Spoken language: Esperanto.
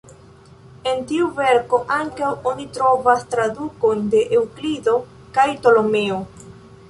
En tiu verko ankaŭ oni trovas tradukojn de Eŭklido kaj Ptolemeo.